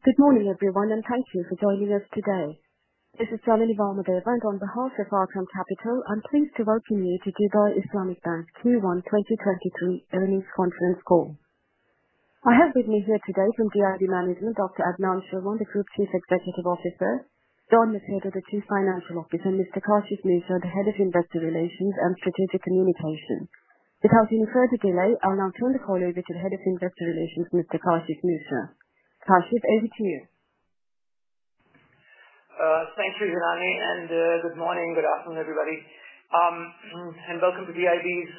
Good morning everyone. Thank you for joining us today. This is Janany Vamadeva. On behalf of Arqaam Capital, I'm pleased to welcome you to Dubai Islamic Bank's Q1 2023 earnings conference call. I have with me here today from DIB management Dr. Adnan Chilwan, the Group Chief Executive Officer, John Macedo, the Chief Financial Officer, and Mr. Kashif Moosa, the Head of Investor Relations and Strategic Communications. Without any further delay, I'll now turn the call over to the Head of Investor Relations, Mr. Kashif Moosa. Kashif, over to you. Thank you, Janany and good morning, good afternoon, everybody. Welcome to DIB's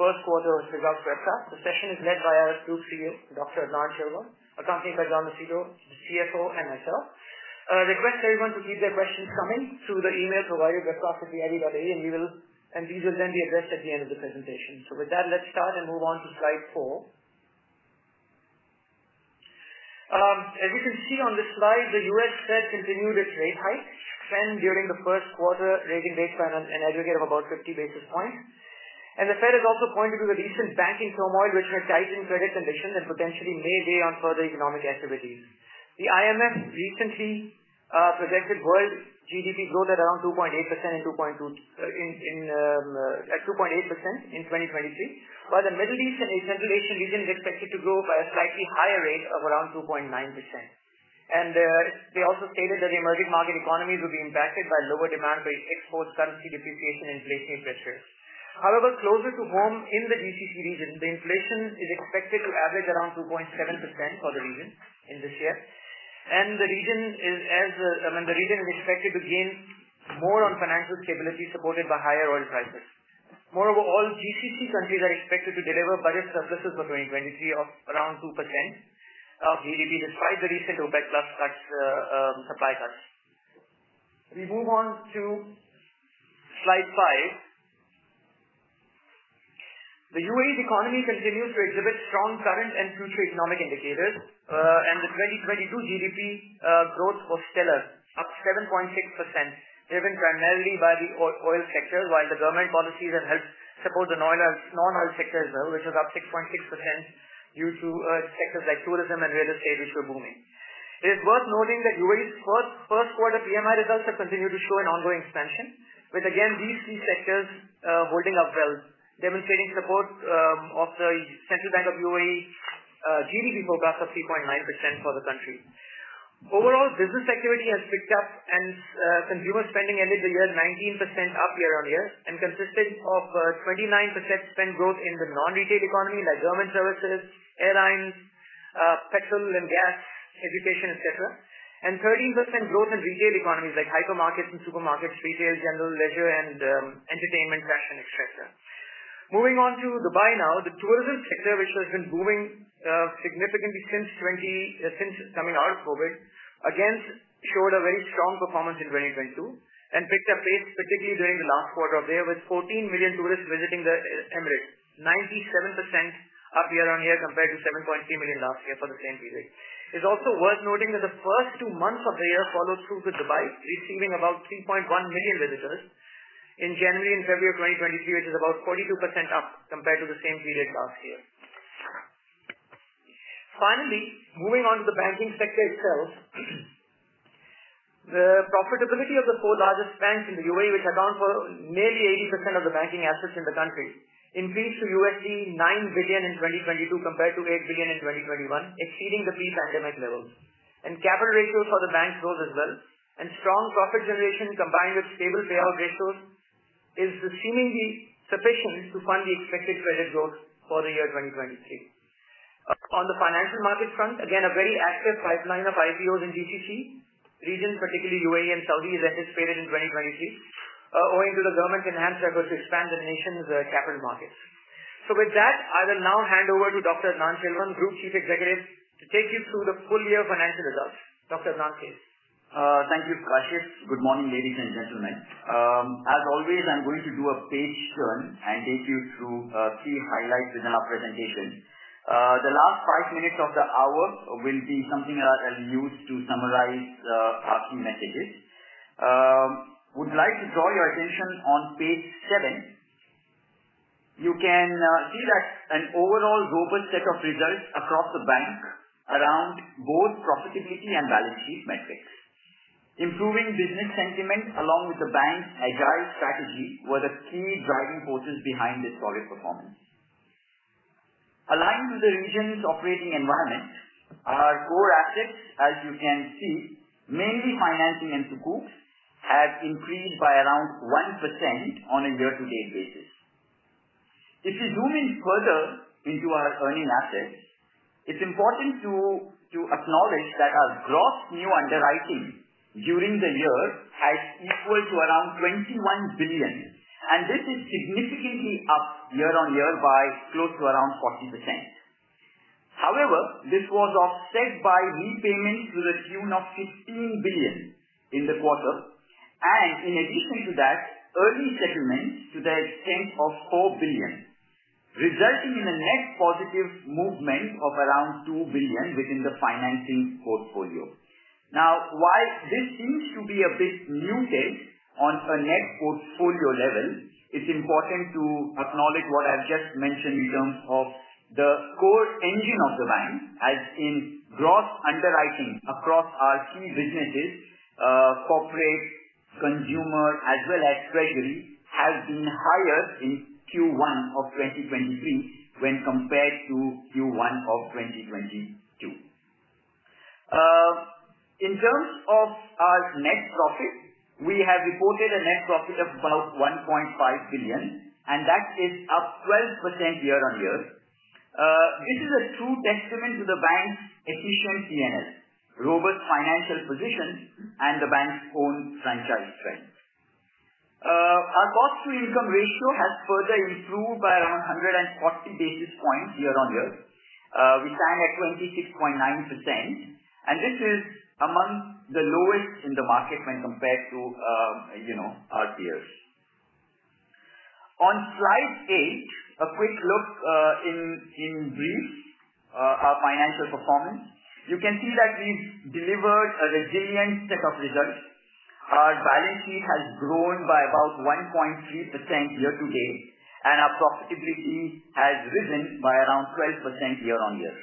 first quarter results webcast. The session is led by our Group CEO, Dr. Adnan Chilwan, accompanied by John Macedo, the CFO, and myself. Request everyone to keep their questions coming through the email provided, webcast@dib.ae and these will then be addressed at the end of the presentation. With that, let's start and move on to slide four. As you can see on this slide, the US Fed continued its rate hikes trend during the first quarter, raising rates by an aggregate of about 50 basis points. The Fed has also pointed to the recent banking turmoil which has tightened credit conditions and potentially may weigh on further economic activities. The IMF recently projected world GDP growth at around 2.8% in 2023. While the Middle East and Central Asian region is expected to grow by a slightly higher rate of around 2.9%. They also stated that the emerging market economies will be impacted by lower demand based exports, currency depreciation, and inflationary pressures. However, closer to home in the GCC region, the inflation is expected to average around 2.7% for the region in this year. I mean the region is expected to gain more on financial stability supported by higher oil prices. Moreover, all GCC countries are expected to deliver budget surpluses for 2023 of around 2% of GDP despite the recent OPEC plus cuts, supply cuts. We move on to slide five. The UAE's economy continues to exhibit strong current and future economic indicators, and the 2022 GDP growth was stellar, up 7.6%, driven primarily by the oil sector. While the government policies have helped support the non-oil sectors though, which was up 6.6% due to sectors like tourism and real estate, which were booming. It is worth noting that UAE's first quarter PMI results have continued to show an ongoing expansion, with again these three sectors holding up well, demonstrating support of the Central Bank of the UAE GDP forecast of 3.9% for the country. Overall business activity has picked up and consumer spending ended the year 19% up year-on-year and consisted of 29% spend growth in the non-retail economy like government services, airlines, petrol and gas, education, et cetera, and 13% growth in retail economies like hypermarkets and supermarkets, retail, general leisure and entertainment, fashion, et cetera. Moving on to Dubai now. The tourism sector, which has been booming significantly since coming out of COVID, again showed a very strong performance in 2022 and picked up pace, particularly during the last quarter of the year, with 14 million tourists visiting the Emirates. 97% up year-on-year compared to 7.3 million last year for the same period. It's also worth noting that the first two months of the year followed through with Dubai receiving about 3.1 million visitors in January and February 2023, which is about 42% up compared to the same period last year. Finally, moving on to the banking sector itself, the profitability of the four largest banks in the UAE which account for nearly 80% of the banking assets in the country, increased to $9 billion in 2022 compared to $8 billion in 2021, exceeding the pre-pandemic levels. Capital ratios for the banks rose as well. Strong profit generation combined with stable payout ratios is seemingly sufficient to fund the expected credit growth for the year 2023. On the financial market front, again a very active pipeline of IPOs in GCC region, particularly UAE and Saudi, is anticipated in 2023, owing to the government enhanced efforts to expand the nation's capital markets. With that, I will now hand over to Dr. Adnan Chilwan, Group Chief Executive, to take you through the full year financial results. Dr. Adnan, please. Thank you, Kashif. Good morning, ladies and gentlemen. As always I'm going to do a page turn and take you through key highlights within our presentation. The last five minutes of the hour will be something that I will use to summarize our key messages. Would like to draw your attention on page seven. You can see that an overall robust set of results across the bank around both profitability and balance sheet metrics. Improving business sentiment along with the bank's agile strategy were the key driving forces behind this solid performance. Aligned to the region's operating environment, our core assets, as you can see, mainly financing and Sukuk have increased by around 1% on a year-to-date basis. If you zoom in further into our earning assets, it's important to acknowledge that our gross new underwriting during the year has equaled to around 21 billion, and this is significantly up year-on-year by close to around 40%. However, this was offset by repayments to the tune of 15 billion in the quarter and in addition to that, early settlements to the extent of 4 billion, resulting in a net positive movement of around 2 billion within the financing portfolio. While this seems to be a bit muted on a net portfolio level, it's important to acknowledge what I've just mentioned in terms of the core engine of the bank, as in gross underwriting across our key businesses, corporate, consumer, as well as treasury, has been higher in Q1 of 2023 when compared to Q1 of 2022. In terms of our net profit, we have reported a net profit of about 1.5 billion. That is up 12% year-on-year. This is a true testament to the bank's efficient P&L, robust financial position and the bank's own franchise strength. Our cost to income ratio has further improved by around 140 basis points year-on-year. We stand at 26.9%. This is among the lowest in the market when compared to, you know, our peers. On slide eight, a quick look in brief, our financial performance. You can see that we've delivered a resilient set of results. Our balance sheet has grown by about 1.3% year-to-date. Our profitability has risen by around 12% year-on-year.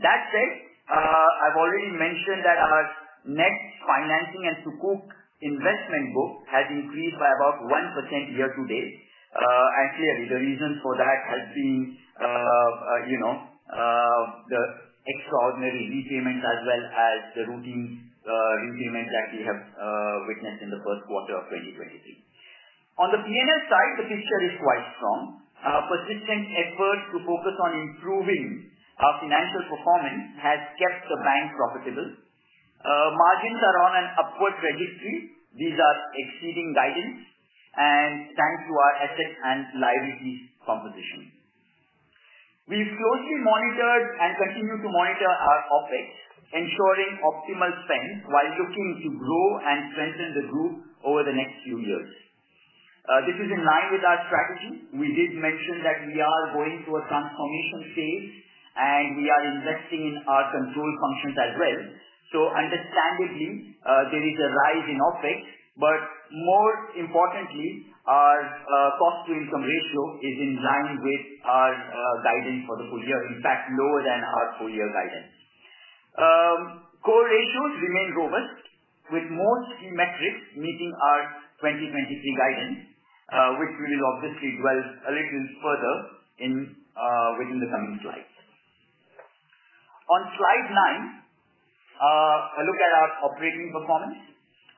That said, I've already mentioned that our net financing and Sukuk investment book has increased by about 1% year to date. Clearly the reason for that has been, you know, the extraordinary repayments as well as the routine repayments that we have witnessed in the first quarter of 2023. On the P&L side, the picture is quite strong. Our persistent efforts to focus on improving our financial performance has kept the bank profitable. Margins are on an upward trajectory. These are exceeding guidance and thanks to our asset and liabilities composition. We've closely monitored and continue to monitor our OpEx, ensuring optimal spend while looking to grow and strengthen the group over the next few years. This is in line with our strategy. We did mention that we are going through a transformation phase and we are investing in our control functions as well. Understandably, there is a rise in OpEx, but more importantly, our cost to income ratio is in line with our guidance for the full year, in fact lower than our full year guidance. Core ratios remain robust with most metrics meeting our 2023 guidance, which we will obviously dwell a little further in within the coming slides. On slide nine, a look at our operating performance,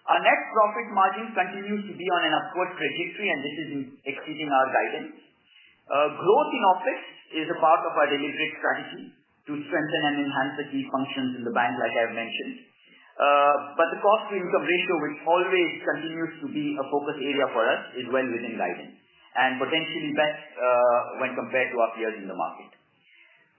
our net profit margin continues to be on an upward trajectory and this is exceeding our guidance. Growth in OpEx is a part of our delivery strategy to strengthen and enhance the key functions in the bank like I have mentioned. The cost to income ratio, which always continues to be a focus area for us is well within guidance and potentially best when compared to our peers in the market.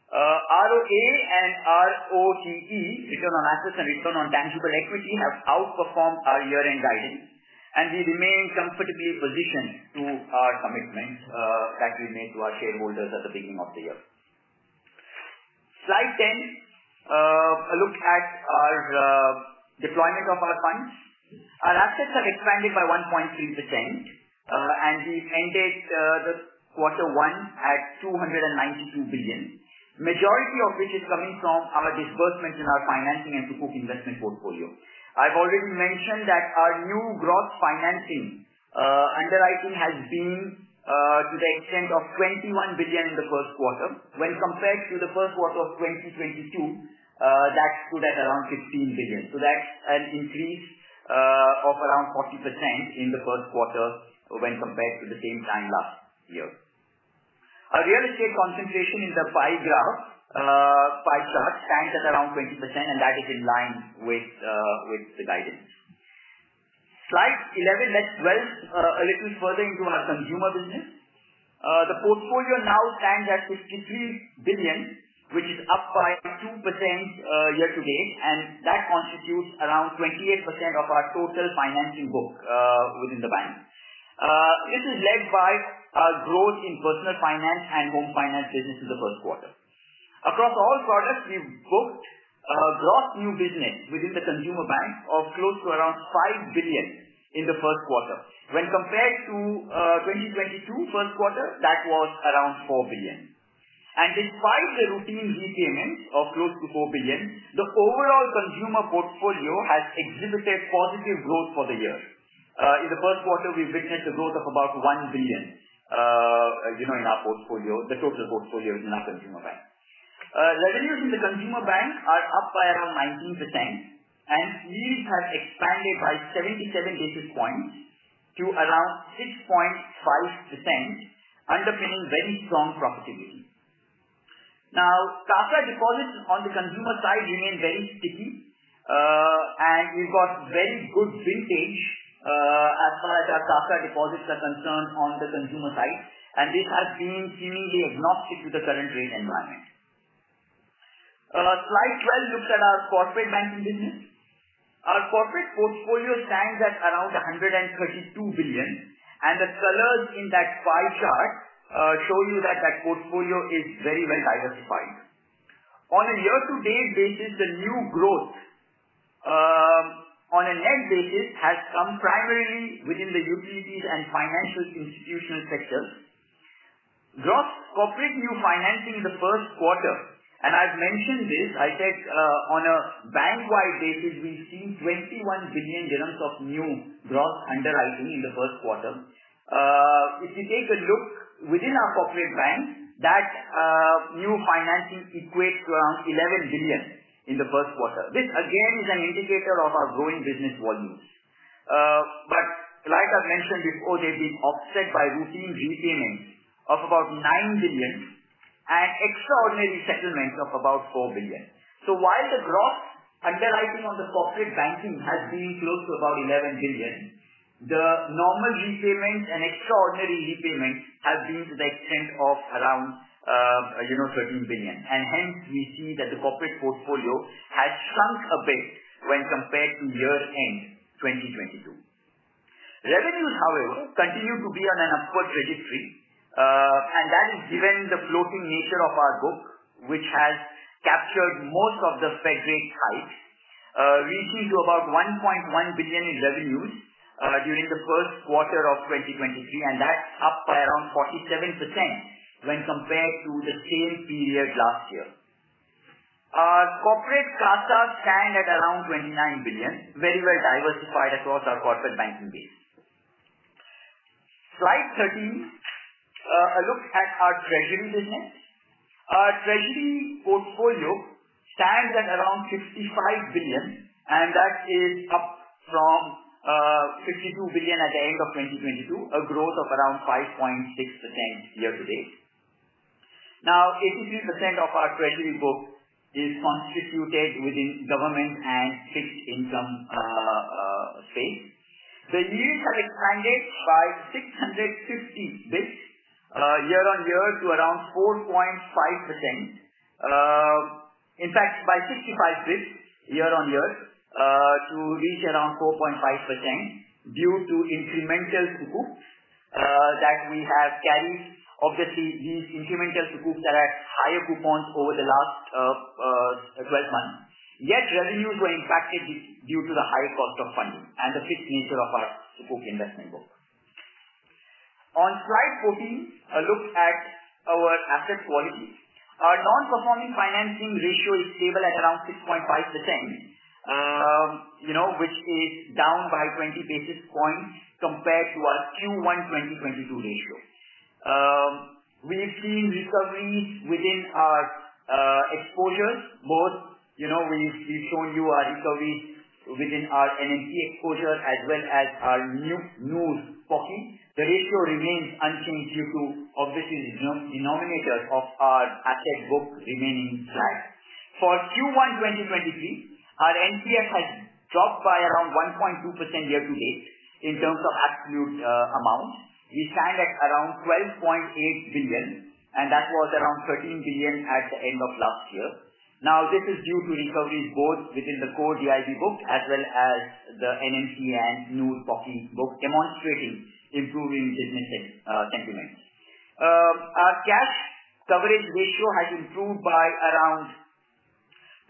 ROA and ROTE, return on assets and return on tangible equity, have outperformed our year-end guidance and we remain comfortably positioned to our commitments that we made to our shareholders at the beginning of the year. Slide 10, a look at our deployment of our funds. Our assets have expanded by 1.3%, and we ended Q1 at 292 billion. Majority of which is coming from our disbursement in our financing and Sukuk investment portfolio. I've already mentioned that our new gross financing underwriting has been to the extent of 21 billion in Q1. When compared to the first quarter of 2022, that stood at around 15 billion. That's an increase of around 40% in the first quarter when compared to the same time last year. Our real estate concentration in the pie graph, pie chart stands at around 20% and that is in line with the guidance. Slide 11 let's dwell a little further into our consumer business. The portfolio now stands at 53 billion, which is up by 2% year to date and that constitutes around 28% of our total financing book within the bank. This is led by our growth in personal finance and home finance business in the first quarter. Across all products, we've booked a gross new business within the consumer bank of close to around 5 billion in the first quarter. When compared to 2022 first quarter, that was around 4 billion. Despite the routine repayments of close to 4 billion, the overall consumer portfolio has exhibited positive growth for the year. In the first quarter, we've witnessed a growth of about 1 billion, you know, in our portfolio, the total portfolio in our consumer bank. Revenues in the consumer bank are up by around 19%, and yields have expanded by 77 basis points to around 6.5%, underpinning very strong profitability. CASA deposits on the consumer side remain very sticky. And we've got very good vintage as far as our CASA deposits are concerned on the consumer side. This has been seemingly agnostic to the current rate environment. Slide 12 looks at our corporate banking business. Our corporate portfolio stands at around 132 billion and the colors in that pie chart show you that that portfolio is very well diversified. On a year-to-date basis, the new growth on a net basis has come primarily within the utilities and financial institutional sectors. Gross corporate new financing in the first quarter, I've mentioned this, I said on a bank-wide basis, we've seen 21 billion dirhams of new gross underwriting in the first quarter. If you take a look within our corporate bank, that new financing equates to around 11 billion in the first quarter. This again is an indicator of our growing business volumes. Like I've mentioned before, they've been offset by routine repayments of about 9 billion and extraordinary settlements of about 4 billion. While the gross underwriting on the corporate banking has been close to about 11 billion, the normal repayments and extraordinary repayments have been to the extent of around, you know, 13 billion. Hence we see that the corporate portfolio has shrunk a bit when compared to year-end 2022. Revenues however, continue to be on an upward trajectory and that is given the floating nature of our book, which has captured most of the Fed rate hikes, reaching to about 1.1 billion in revenues during the first quarter of 2023 and that's up by around 47% when compared to the same period last year. Our corporate CASA stand at around 29 billion, very well diversified across our corporate banking base. Slide 13, a look at our treasury business. Our Treasury portfolio stands at around 55 billion. That is up from 52 billion at the end of 2022, a growth of around 5.6% year-to-date. Eighty-three percent of our treasury book is constituted within government and fixed income space. The yields have expanded by 650 basis points year-on-year to around 4.5%. In fact by 65 basis points year-on-year to reach around 4.5% due to incremental Sukuks that we have carried. Obviously, these incremental Sukuks are at higher coupons over the last 12 months, yet revenues were impacted due to the higher cost of funding and the fixed nature of our Sukuk investment book. On slide 14, a look at our asset quality. Our non-performing financing ratio is stable at around 6.5%, you know, which is down by 20 basis points compared to our Q1 2022 ratio. We've seen recoveries within our exposures both, you know, we've shown you our recoveries within our NMC exposure as well as our new pocket. The ratio remains unchanged due to obviously the denominators of our asset book remaining flat. For Q1 2023, our NPL has dropped by around 1.2% year-to-date in terms of absolute amount. We stand at around 12.8 billion and that was around 13 billion at the end of last year. This is due to recoveries both within the core DIB book as well as the NMC and new pocket book demonstrating improving business sentiments. Our cash coverage ratio has improved by around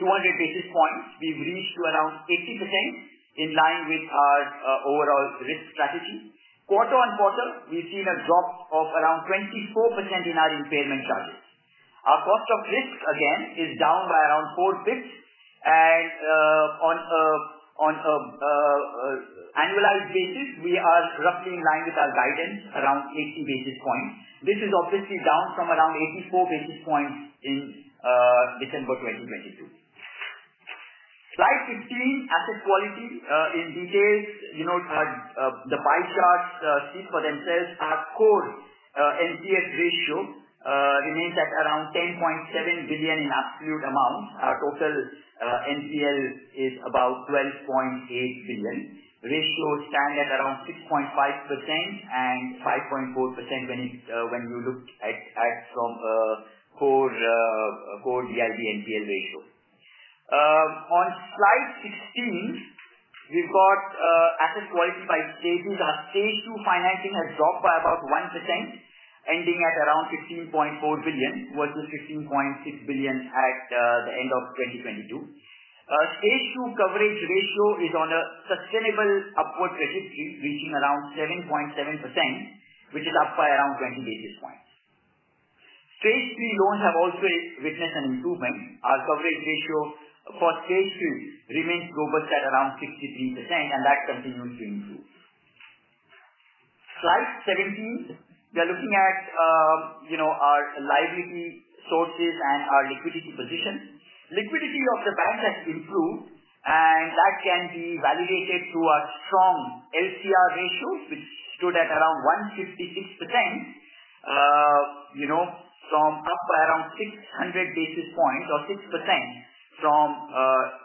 200 basis points. We've reached to around 80% in line with our overall risk strategy. Quarter on quarter, we've seen a drop of around 24% in our impairment charges. Our cost of risk again is down by around 4 basis points, and on an annualized basis, we are roughly in line with our guidance around 80 basis points. This is obviously down from around 84 basis points in December 2022. Slide 15, asset quality in details. You know, the pie charts speak for themselves. Our core NPL ratio remains at around 10.7 billion in absolute amounts. Our total NPL is about 12.8 billion. Ratios stand at around 6.5% and 5.4% when you look at from core DIB NPL ratio. On slide 16, we've got asset quality by stages. Our Stage 2 financing has dropped by about 1%, ending at around 15.4 billion versus 15.6 billion at the end of 2022. Our Stage 2 coverage ratio is on a sustainable upward trajectory, reaching around 7.7%, which is up by around 20 basis points. Stage 3 loans have also witnessed an improvement. Our coverage ratio for Stage 3 remains robust at around 63% and that continues to improve. Slide 17. We are looking at, you know, our liability sources and our liquidity position. Liquidity of the bank has improved, and that can be validated through our strong LCR ratio, which stood at around 156%, you know, from up by around 600 basis points or 6% from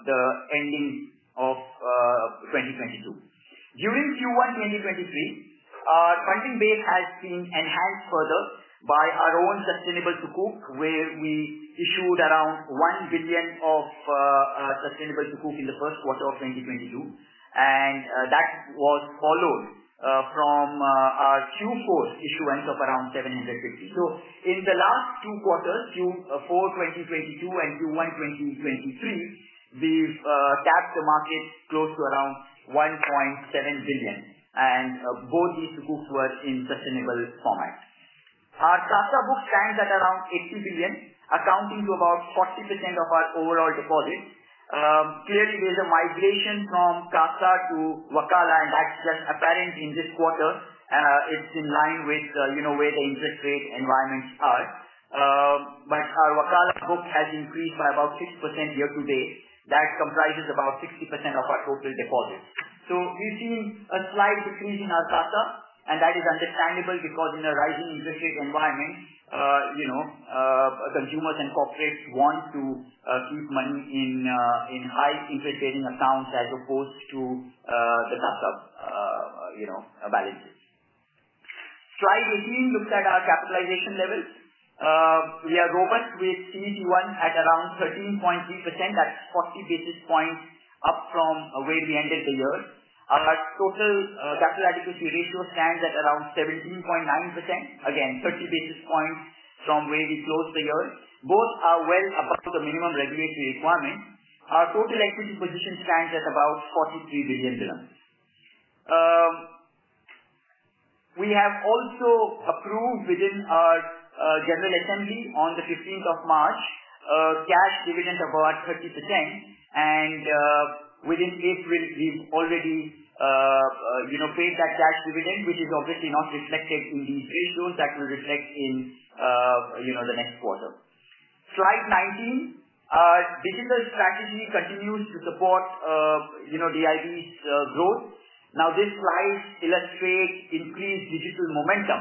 the ending of 2022. During Q1 2023, our funding base has been enhanced further by our own Sustainable Sukuk, where we issued around 1 billion of Sustainable Sukuk in the first quarter of 2022. That was followed from our Q4 issuance of around 750. In the last two quarters, Q4 2022 and Q1 2023, we've tapped the market close to around 1.7 billion, and both these Sukuks were in sustainable format. Our CASA book stands at around 80 billion, accounting to about 40% of our overall deposits. Clearly there's a migration from CASA to Wakala, and that's just apparent in this quarter. It's in line with, you know, where the interest rate environments are. But our Wakala book has increased by about 6% year-to-date. That comprises about 60% of our total deposits. We've seen a slight decrease in our CASA, and that is understandable because in a rising interest rate environment, you know, consumers and corporates want to keep money in high interest-bearing accounts as opposed to the CASA, you know balances. Slide 18 looks at our capitalization levels. We are robust with CET1 at around 13.3%. That's 40 basis points up from where we ended the year. Our total capital adequacy ratio stands at around 17.9%, again 30 basis points from where we closed the year. Both are well above the minimum regulatory requirements. Our total equity position stands at about 43 billion dirhams. We have also approved within our general assembly on the 15th of March a cash dividend of about 30%. Within April, we've already, you know paid that cash dividend which is obviously not reflected in these ratios. That will reflect in, you know, the next quarter. Slide 19, our digital strategy continues to support, you know, DIB's growth. This slide illustrates increased digital momentum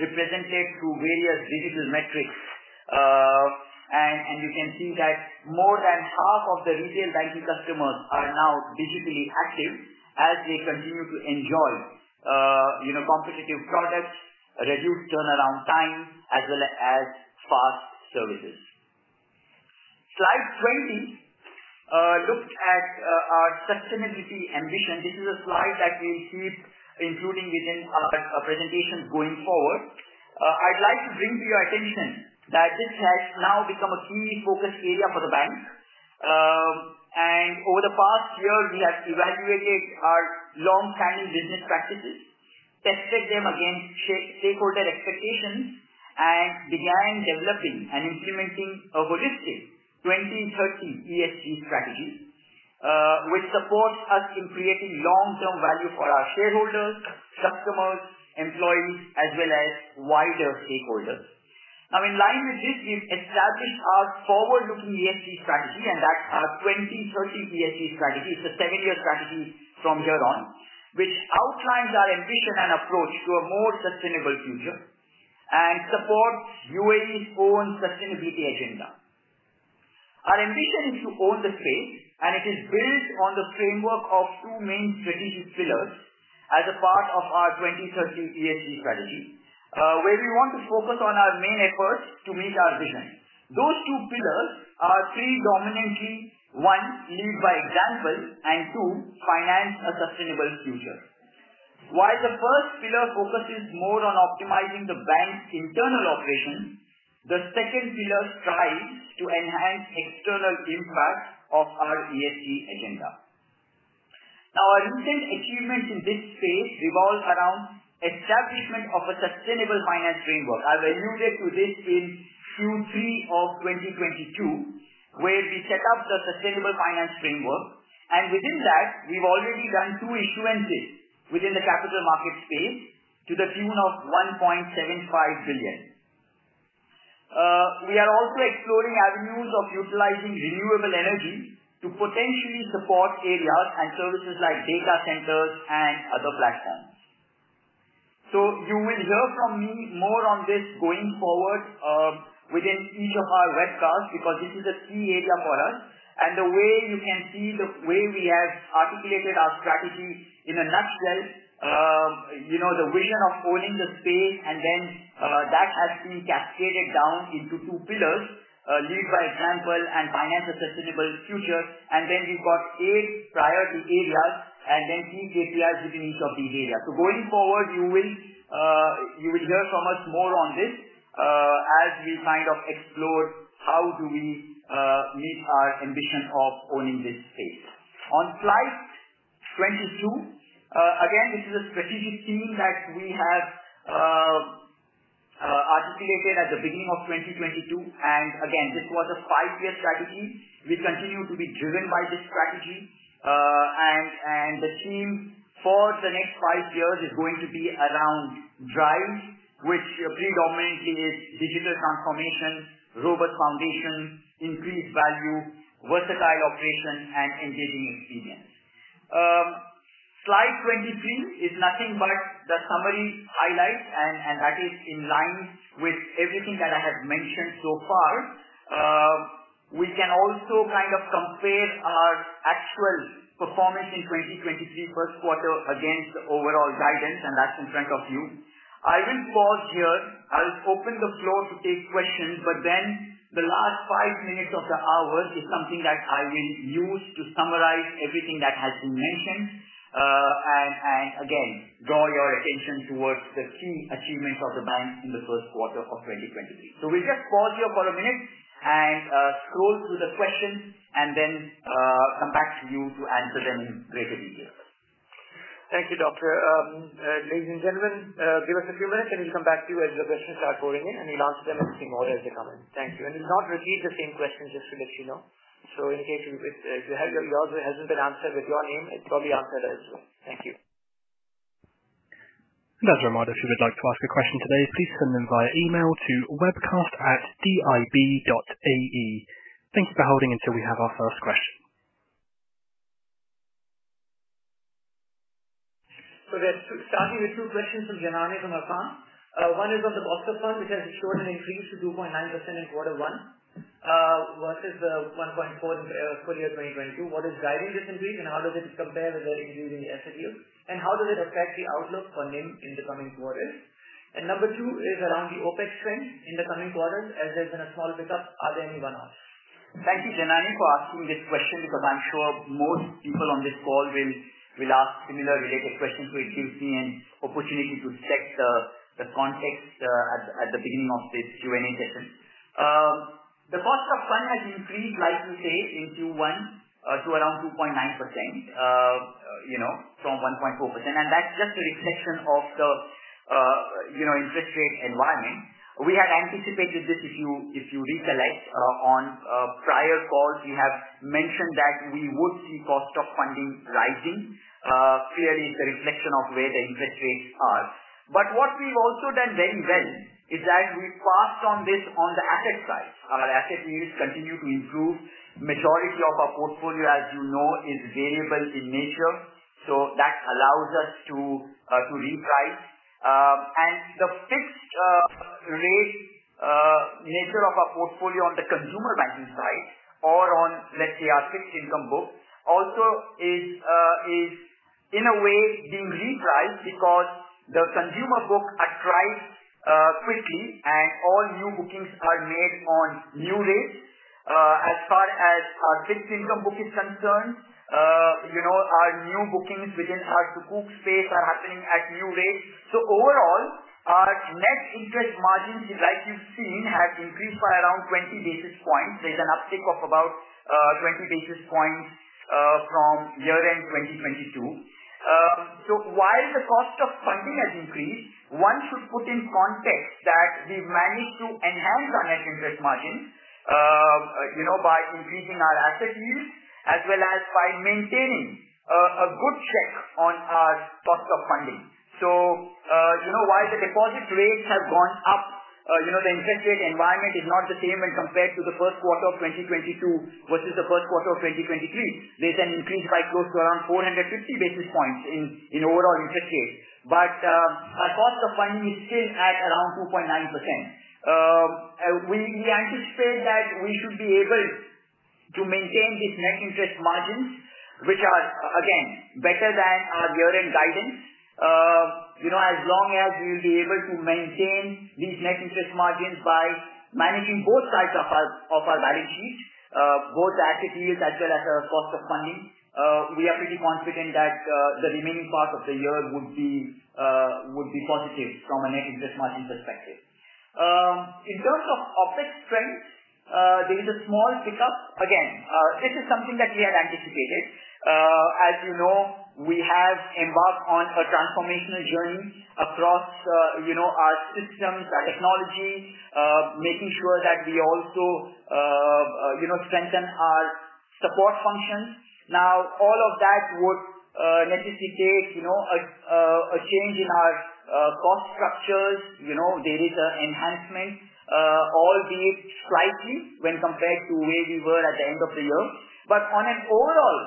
represented through various digital metrics. You can see that more than half of the retail banking customers are now digitally active as they continue to enjoy, you know, competitive products, reduced turnaround time, as well as fast services. Slide 20 looks at our sustainability ambition. This is a slide that we'll keep including within our presentations going forward. I'd like to bring to your attention that this has now become a key focus area for the bank. Over the past year, we have evaluated our long-standing business practices, tested them against stakeholder expectations and began developing and implementing a holistic 2030 ESG strategy which supports us in creating long-term value for our shareholders, customers, employees, as well as wider stakeholders. In line with this, we've established our forward-looking ESG strategy and that's our 2030 ESG strategy. It's a seven-year strategy from here on, which outlines our ambition and approach to a more sustainable future and supports UAE's own sustainability agenda. Our ambition is to own the space. It is built on the framework of two main strategic pillars as a part of our 2030 ESG strategy, where we want to focus on our main efforts to meet our vision. Those two pillars are predominantly, one lead by example, and two, finance a sustainable future. While the first pillar focuses more on optimizing the bank's internal operations, the second pillar strives to enhance external impact of our ESG agenda. Our recent achievements in this space revolves around establishment of a Sustainable Finance Framework. I've alluded to this in Q3 of 2022, where we set up the Sustainable Finance Framework, within that we've already done two issuances within the capital market space to the tune of 1.75 billion. We are also exploring avenues of utilizing renewable energy to potentially support areas and services like data centers and other platforms. You will hear from me more on this going forward within each of our webcasts because this is a key area for us. The way you can see the way we have articulated our strategy in a nutshell, you know, the vision of owning the space and then that has been cascaded down into two pillars, lead by example and finance a sustainable future. Then we've got eight priority areas and then key KPIs within each of the areas. Going forward, you will - you will hear from us more on this, as we kind of explore how do we meet our ambition of owning this space. On slide 22, again, this is a strategic theme that we have articulated at the beginning of 2022. Again, this was a five-year strategy. We continue to be driven by this strategy. The theme for the next five years is going to be around drive, which predominantly is digital transformation, robust foundation, increased value, versatile operations and engaging experience. We can also kind of compare our actual performance in 2023 first quarter against the overall guidance, and that's in front of you. I will pause here. I'll open the floor to take questions, but then the last five minutes of the hour is something that I will use to summarize everything that has been mentioned. Again, draw your attention towards the key achievements of the bank in the first quarter of 2023. We just pause here for a minute and scroll through the questions and then come back to you to answer them later in detail. Thank you, doctor. Ladies and gentlemen, give us a few minutes and we'll come back to you as the questions are pouring in, and we'll answer them in order as they come in. Thank you. We'll not repeat the same question, just to let you know. In case if yours hasn't been answered with your name, it's probably answered as well. Thank you. As a reminder, if you would like to ask a question today, please send them via email to webcast@dib.ae. Thank you for holding until we have our first question. We're starting with two questions from Janany from Arqaam. One is on the cost of funds, which has shown an increase to 2.9% in Q1, versus 1.4 in full year 2022. What is driving this increase, and how does it compare with what you're using in SDU? How does it affect the outlook for NIM in the coming quarters? Number two is around the OpEx trend in the coming quarters, as there's been a small pickup. Are there any runoffs? Thank you, Janani, for asking this question because I'm sure most people on this call will ask similar related questions. It gives me an opportunity to set the context at the beginning of this Q&A session. The cost of fund has increased, like you say in Q1, to around 2.9%, you know, from 1.4%. That's just a reflection of the, you know, interest rate environment. We had anticipated this, if you recollect, on prior calls, we have mentioned that we would see cost of funding rising. Clearly it's a reflection of where the interest rates are. What we've also done very well is that we passed on this on the asset side. Our asset yields continue to improve. Majority of our portfolio, as you know, is variable in nature, that allows us to reprice. The fixed rate nature of our portfolio on the consumer banking side or on, let's say our fixed income book also is in a way being repriced because the consumer book at price quickly and all new bookings are made on new rates. As far as our fixed income book is concerned, you know, our new bookings within our Sukuk space are happening at new rates. Overall, our net interest margins, like you've seen has increased by around 20 basis points. There's an uptick of about 20 basis points from year-end 2022. While the cost of funding has increased, one should put in context that we've managed to enhance our net interest margin, you know, by increasing our asset yields as well as by maintaining a good check on our cost of funding. While the deposit rates have gone up, the interest rate environment is not the same when compared to the first quarter of 2022 versus the first quarter of 2023. There's an increase by close to around 450 basis points in overall interest rates. Our cost of funding is still at around 2.9%. We anticipate that we should be able to maintain these net interest margins, which are again, better than our year-end guidance. You know, as long as we'll be able to maintain these net interest margins by managing both sides of our balance sheet, both asset yields as well as our cost of funding, we are pretty confident that the remaining part of the year would be positive from a net interest margin perspective. In terms of OpEx trends, there is a small pickup. Again this is something that we had anticipated. As you know, we have embarked on a transformational journey across, you know our systems, our technology, making sure that we also, you know, strengthen our support functions. All of that would necessitate, you know, a change in our cost structures. You know, there is a enhancement, albeit slightly when compared to where we were at the end of the year. On an overall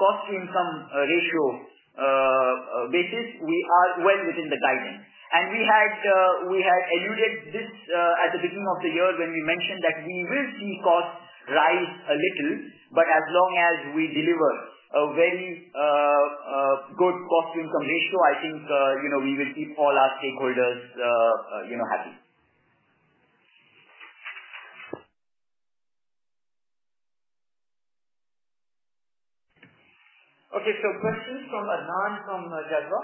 cost-to-income ratio basis, we are well within the guidance. We had alluded this at the beginning of the year when we mentioned that we will see costs rise a little, but as long as we deliver a very good cost-income ratio, I think you know, we will keep all our stakeholders, you know, happy. Questions from Adnan from Jadwa.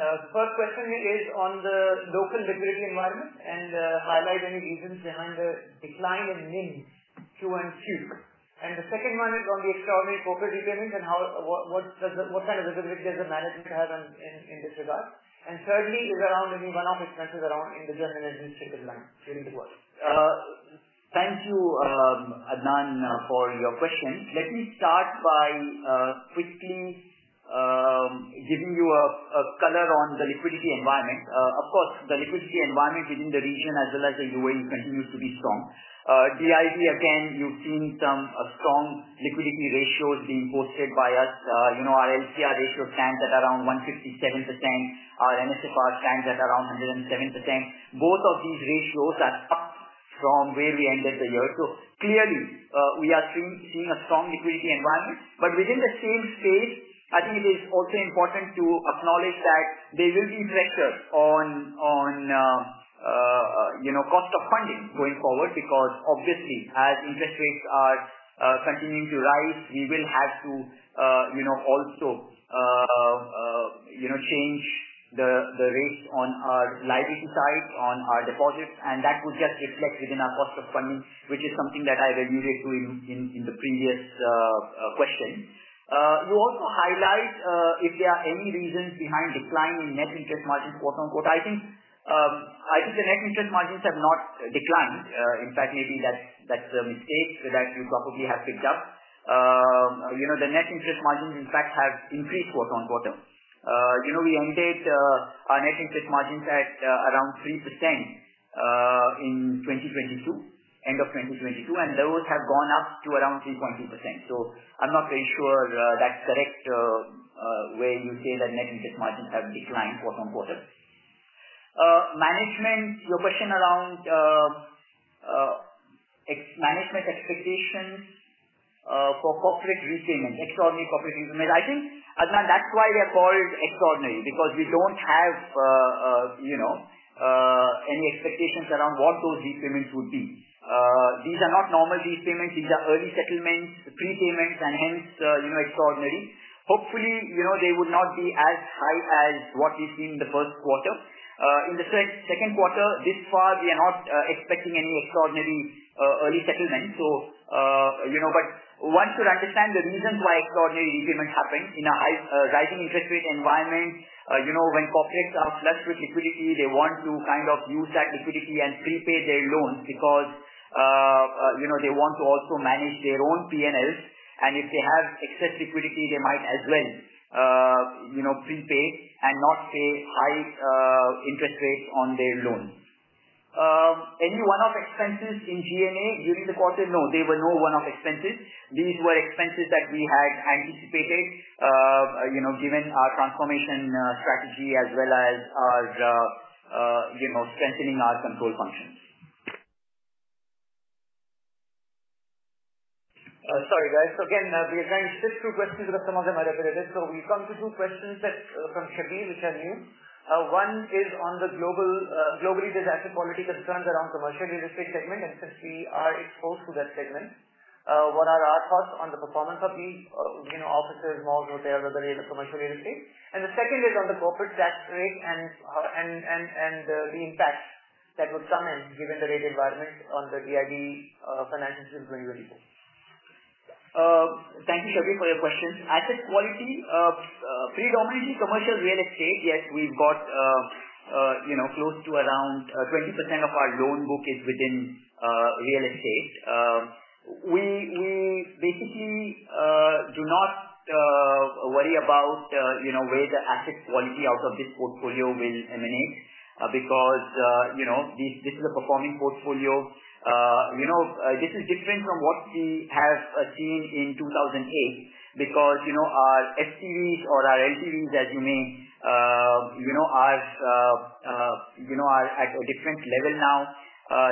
The first question is on the local liquidity environment and highlight any reasons behind the decline in NIMs Q-on-Q. The second one is on the extraordinary profit returns and what kind of visibility does the management have on in this regard? Thirdly is around maybe one-off expenses around general and administrative line during the quarter. Thank you Adnan, for your questions. Let me start by quickly giving you a color on the liquidity environment. Of course, the liquidity environment within the region as well as the UAE continues to be strong. DIB again, you've seen some strong liquidity ratios being posted by us. You know, our LCR ratio stands at around 157%. Our NSFR stands at around 107%. Both of these ratios are far from where we ended the year. Clearly, we are seeing a strong liquidity environment. Within the same space, I think it is also important to acknowledge that there will be pressure on, you know, cost of funding going forward. Obviously as interest rates are continuing to rise, we will have to, you know also, you know, change the rates on our liability side on our deposits. That would just reflect within our cost of funding, which is something that I've alluded to in the previous question. You also highlight, if there are any reasons behind decline in net interest margins, quote-unquote. I think the net interest margins have not declined. In fact, maybe that's a mistake that you probably have picked up. The net interest margins, in fact, have increased quote-unquote. We ended our net interest margins at around 3% in 2022, end of 2022, and those have gone up to around 3.2%. I'm not very sure that's correct where you say the net interest margins have declined quote-unquote. Management, your question around ex-management expectation for corporate repayment, extraordinary corporate repayment. I think Adnan, that's why we are called extraordinary because we don't have, you know, any expectations around what those repayments would be. These are not normal repayments. These are early settlements, prepayments, and hence you know, extraordinary. Hopefully, you know they would not be as high as what we've seen in the first quarter. In the second quarter, this far we are not expecting any extraordinary early settlement. You know, but one should understand the reasons why extraordinary repayment happens. In a high, rising interest rate environment, you know when corporates are flushed with liquidity, they want to kind of use that liquidity and prepay their loans because, you know, they want to also manage their own P&Ls. If they have excess liquidity, they might as well, you know, prepay and not pay high interest rates on their loans. Any one-off expenses in G&A during the quarter? No, there were no one-off expenses. These were expenses that we had anticipated, you know, given our transformation strategy, as well as our, you know, strengthening our control functions. Sorry, guys. Again, we are trying just two questions because some of them are repetitive. We come to two questions from Shabbi, which are new. One is on the global, globally, there's asset quality concerns around commercial real estate segment. Since we are exposed to that segment, what are our thoughts on the performance of these, you know, offices, malls or whatever the commercial real estate? The second is on the Corporate Tax rate and the impact that would come in given the rate environment on the DIB financials in 2024. Thank you, Shabbi, for your questions. Asset quality, predominantly commercial real estate. Yes, we've got, you know, close to around 20% of our loan book is within real estate. We basically do not worry about, you know, where the asset quality out of this portfolio will emanate. Because, you know, this is a performing portfolio. This is different from what we have seen in 2008. Our STVs or our LTVs, as you know, are at a different level now.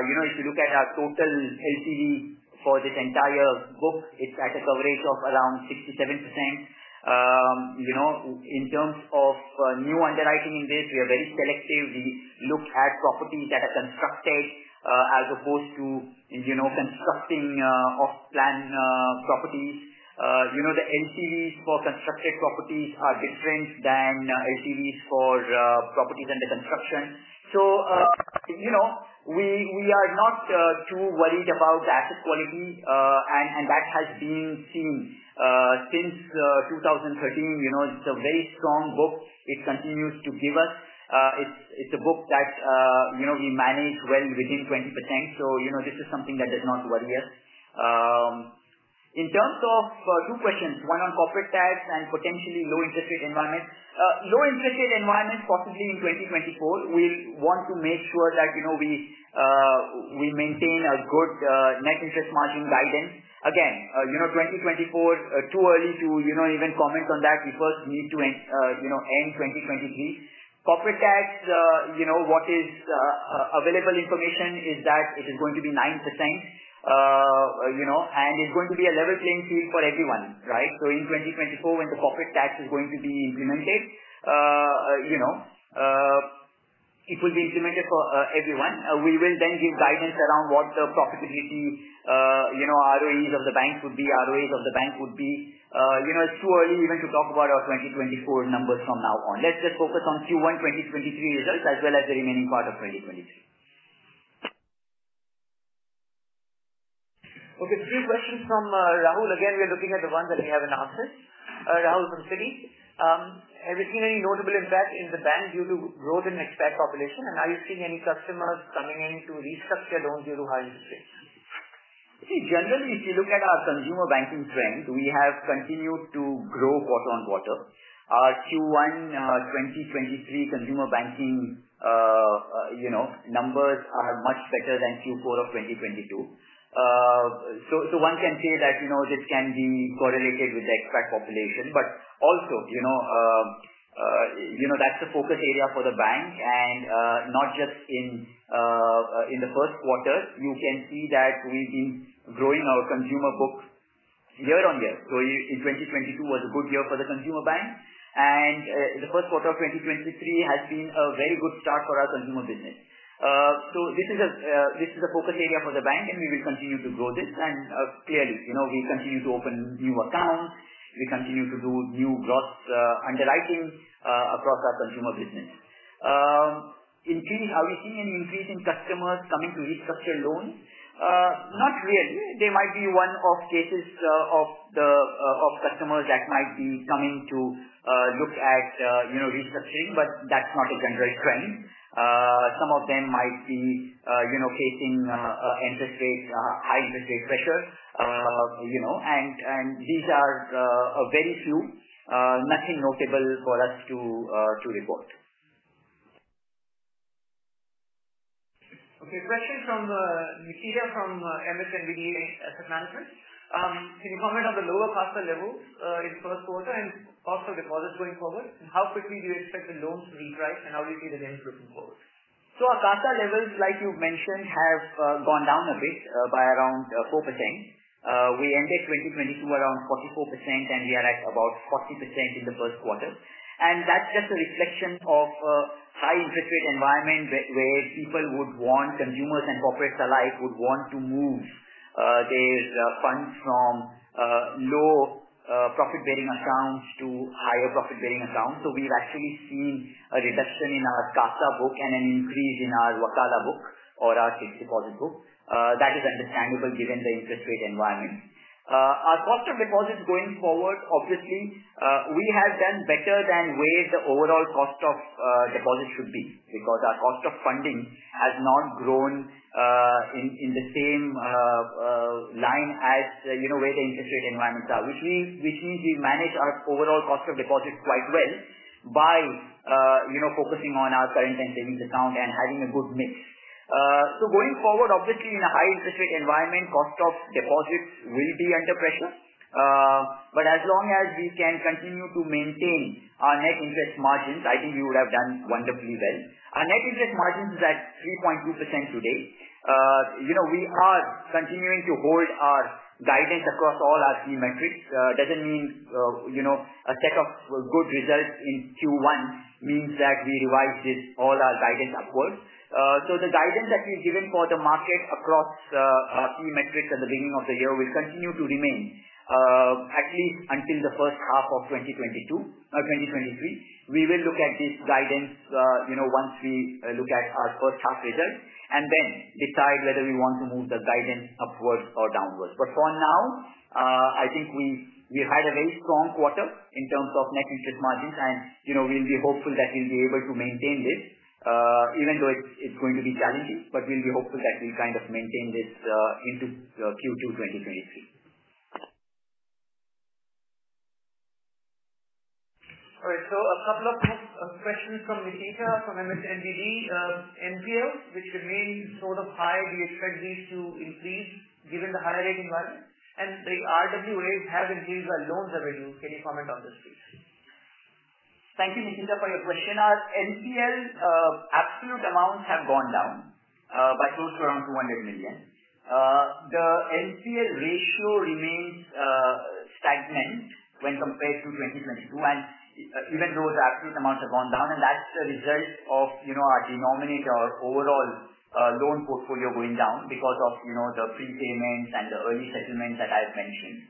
If you look at our total LTV for this entire book, it's at a coverage of around 67%. In terms of new underwriting in this, we are very selective. We look at properties that are constructed, as opposed to constructing off-plan properties. The LTVs for constructed properties are different than LTVs for properties under construction. We are not too worried about the asset quality. That has been seen since 2013. You know it's a very strong book it continues to give us. It's a book that, you know, we manage well within 20%. You know, this is something that does not worry us. In terms of two questions, one on Corporate Tax and potentially low interest rate environment. Low interest rate environment, possibly in 2024, we'll want to make sure that, you know, we maintain a good net interest margin guidance. Again, you know, 2024, too early to, you know, even comment on that. We first need to end, you know, end 2023. Corporate Tax, you know, what is available information is that it is going to be 9%. You know, and it's going to be a level playing field for everyone, right? In 2024, when the Corporate Tax is going to be implemented, you know, it will be implemented for everyone. We will then give guidance around what the profitability, you know, ROEs of the banks would be, ROAs of the bank would be. You know, it's too early even to talk about our 2024 numbers from now on. Let's just focus on Q1 2023 results as well as the remaining part of 2023. Three questions from Rahul. Again, we are looking at the ones that we haven't answered. Rahul from Citi. Have you seen any notable impact in the bank due to growth in expat population? Are you seeing any customers coming in to restructure loans due to high interest rates? Generally, if you look at our consumer banking trend, we have continued to grow quarter-on-quarter. Our Q1 2023 consumer banking, you know, numbers are much better than Q4 of 2022. One can say that, you know, this can be correlated with the expat population, but also you know, that's a focus area for the bank and not just in the first quarter, you can see that we've been growing our consumer books year-on-year. In 2022 was a good year for the consumer bank. The first quarter of 2023 has been a very good start for our consumer business. This is a focus area for the bank and we will continue to grow this. Clearly, you know, we continue to open new accounts. We continue to do new gross underwriting across our consumer business. Are we seeing an increase in customers coming to restructure loans? Not really. There might be one off cases of the of customers that might be coming to look at, you know, restructuring, but that's not a general trend. Some of them might be, you know, facing interest rate, high interest rate pressures, you know, and these are a very few, nothing notable for us to report. Okay. A question from Nikita from Emirates NBD Asset Management. Can you comment on the lower CASA levels in first quarter and cost of deposits going forward? How quickly do you expect the loans to reprice? How do you see the trends looking forward? Our CASA levels, like you've mentioned, have gone down a bit, by around 4%. We ended 2022 around 44%, and we are at about 40% in the first quarter. That's just a reflection of a high interest rate environment where people would want, consumers and corporates alike would want to move their funds from low profit-bearing accounts to higher profit-bearing accounts. We've actually seen a reduction in our CASA book and an increase in our Wakala book or our fixed deposit book. That is understandable given the interest rate environment. Our cost of deposits going forward, obviously we have done better than where the overall cost of deposits should be because our cost of funding has not grown in the same line as, you know, where the interest rate environments are. Which means we manage our overall cost of deposits quite well by, you know, focusing on our current and savings account and having a good mix. Going forward, obviously in a high interest rate environment, cost of deposits will be under pressure. As long as we can continue to maintain our net interest margins, I think we would have done wonderfully well. Our net interest margins is at 3.2% today. You know, we are continuing to hold our guidance across all our key metrics. Doesn't mean, you know, a set of good results in Q1 means that we revise this, all our guidance upwards. The guidance that we've given for the market across key metrics at the beginning of the year will continue to remain at least until the first half of 2022, 2023. We will look at this guidance, you know, once we look at our first half results and then decide whether we want to move the guidance upwards or downwards. For now, I think we've, we had a very strong quarter in terms of net interest margins. You know, we'll be hopeful that we'll be able to maintain this, even though it's going to be challenging, but we'll be hopeful that we kind of maintain this into Q2 2023. All right. A couple of questions from Nikita from MSM DIFC. NPL, which remain sort of high. Do you expect these to increase given the higher rate environment? The RWAs have increased while loans have reduced. Can you comment on this, please? Thank you, Nikita for your question. Our NPL absolute amounts have gone down by close to around 200 million. The NPL ratio remains stagnant when compared to 2022. Even though the absolute amounts have gone down, and that's the result of, you know, our denominator, our overall loan portfolio going down because of, you know, the prepayments and the early settlements that I have mentioned.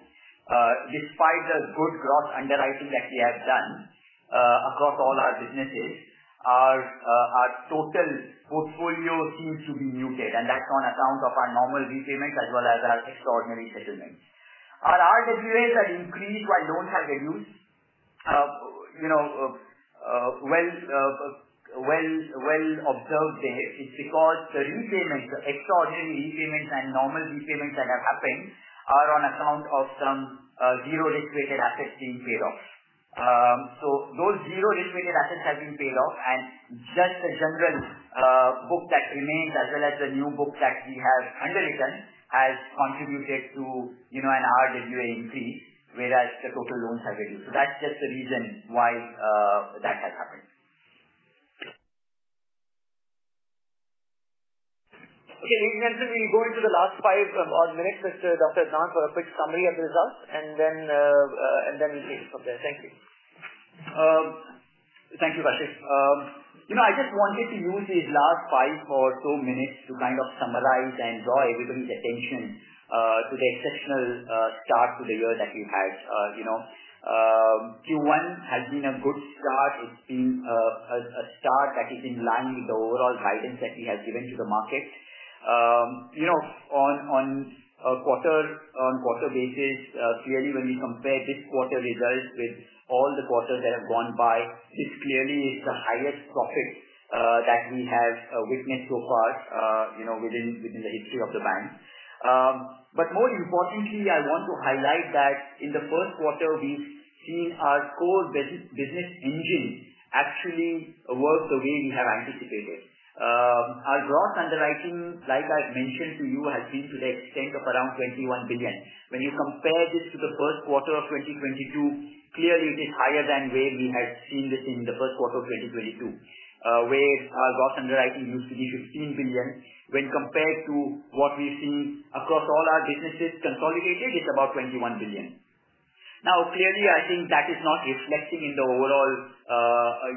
Despite the good gross underwriting that we have done across all our businesses, our total portfolio seems to be muted, and that's on account of our normal repayments as well as our extraordinary settlements. Our RWAs are increased while loans have reduced. You know, well observed there. It's because the repayments, the extraordinary repayments and normal repayments that have happened are on account of some, zero risk weighted assets being paid off. Those zero risk weighted assets have been paid off and just the general, book that remains as well as the new book that we have underwritten has contributed to, you know, an RWA increase, whereas the total loans have reduced. That's just the reason why, that has happened. Okay. In that case, we'll go into the last five odd minutes, Dr. Adnan for a quick summary of results and then we'll take it from there. Thank you. Thank you, Kashif. You know, I just wanted to use these last five or so minutes to kind of summarize and draw everybody's attention to the exceptional start to the year that we've had. You know, Q1 has been a good start. It's been a start that is in line with the overall guidance that we have given to the market. You know, on a quarter-on-quarter basis, clearly when we compare this quarter results with all the quarters that have gone by, this clearly is the highest profit that we have witnessed so far, you know, within the history of the bank. More importantly, I want to highlight that in the first quarter, we've seen our core business engine actually work the way we have anticipated. Our gross underwriting, like I've mentioned to you, has been to the extent of around 21 billion. When you compare this to the first quarter of 2022, clearly it is higher than where we had seen this in the first quarter of 2022, where our gross underwriting used to be 15 billion. When compared to what we've seen across all our businesses consolidated, it's about 21 billion. Clearly, I think that is not reflecting in the overall,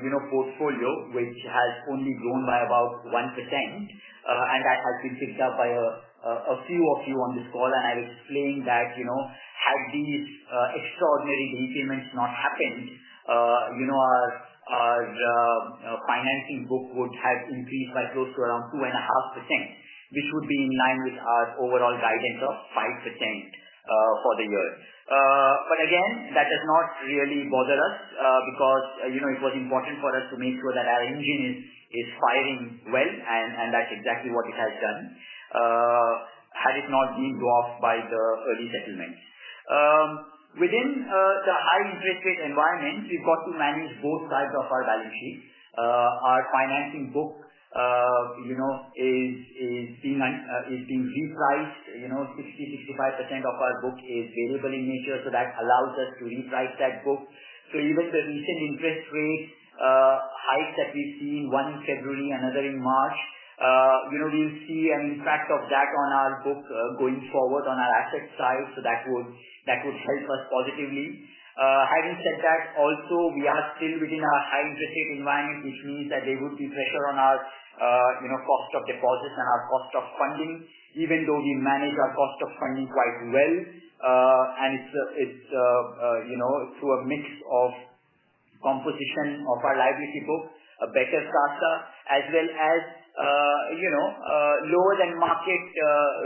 you know, portfolio, which has only grown by about 1%. That has been picked up by a few of you on this call. I'll explain that, you know, had these extraordinary prepayments not happened, you know, our financing book would have increased by close to around 2.5%, which would be in line with our overall guidance of 5% for the year. Again that does not really bother us, because you know, it was important for us to make sure that our engine is firing well and that's exactly what it has done. Had it not been dropped by the early settlements. Within the high interest rate environment, we've got to manage both sides of our balance sheet. Our financing book, you know, is being repriced. You know, 60-65% of our book is variable in nature, so that allows us to reprice that book. Even the recent interest rates hikes that we've seen, one in February, another in March, you know we'll see an impact of that on our book going forward on our asset side. That would help us positively. Having said that, also we are still within our high interest rate environment, which means that there would be pressure on our, you know, cost of deposits and our cost of funding. Even though we manage our cost of funding quite well, and it's, you know, through a mix of composition of our liability book, a better CASA as well as, you know, lower than market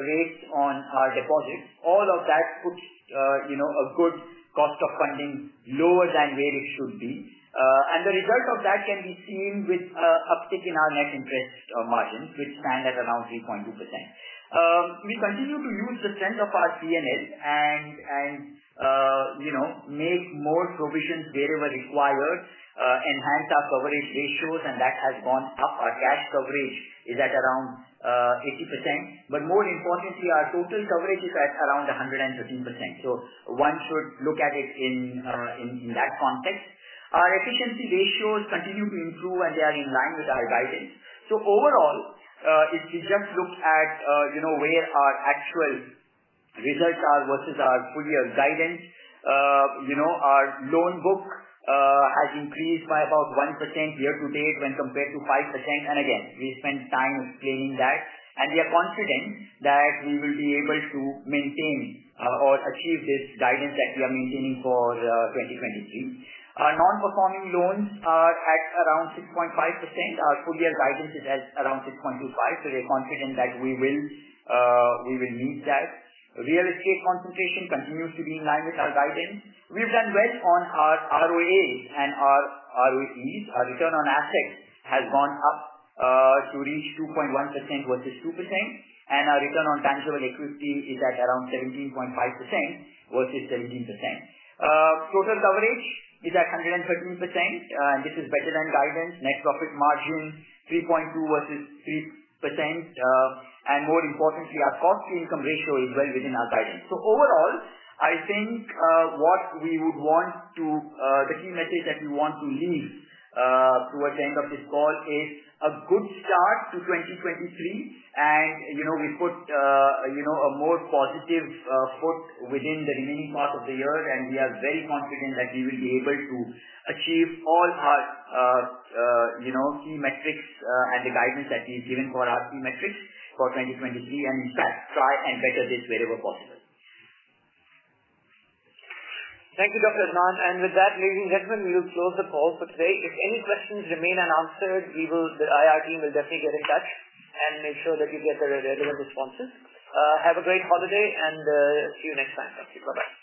rates on our deposits. All of that puts, you know, a good cost of funding lower than where it should be. The result of that can be seen with uptick in our net interest margins which stands at around 3.2%. We continue to use the strength of our P&L and you know, make more provisions wherever required, enhance our coverage ratios and that has gone up. Our cash coverage is at around 80%, but more importantly, our total coverage is at around 113%. One should look at it in that context. Our efficiency ratios continue to improve, and they are in line with our guidance. Overall, if we just look at, you know, where our actual results are versus our full year guidance, you know, our loan book has increased by about 1% year-to-date when compared to 5%. Again, we spent time explaining that, and we are confident that we will be able to maintain or achieve this guidance that we are maintaining for 2023. Our non-performing loans are at around 6.5%. Our full year guidance is at around 6.25%. We are confident that we will meet that. Real estate concentration continues to be in line with our guidance. We've done well on our ROAs and our ROEs. Our return on assets has gone up to reach 2.1% versus 2%, and our return on tangible equity is at around 17.5% versus 17%. Total coverage is at 113%. This is better than guidance. Net profit margin 3.2% versus 3%. More importantly, our cost to income ratio is well within our guidance. Overall, I think what we would want to, the key message that we want to leave, towards the end of this call is a good start to 2023. You know, we put, you know, a more positive foot within the remaining part of the year. We are very confident that we will be able to achieve all our, you know, key metrics, and the guidance that we've given for our key metrics for 2023 and in fact try and better this wherever possible. Thank you, Dr. Adnan. With that, ladies and gentlemen, we will close the call for today. If any questions remain unanswered, the IR team will definitely get in touch and make sure that you get the relevant responses. Have a great holiday and see you next time. Thank you. Bye-bye.